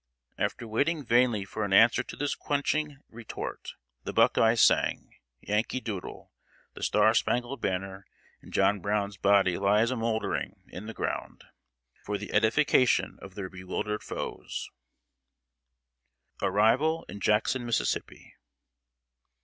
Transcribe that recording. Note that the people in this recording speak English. After waiting vainly for an answer to this quenching retort, the Buckeyes sang "Yankee Doodle," the "Star Spangled Banner," and "John Brown's Body lies a moldering in the Ground," for the edification of their bewildered foes. [Sidenote: ARRIVAL IN JACKSON, MISSISSIPPI.